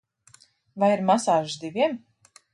Vai ir masāžas diviem?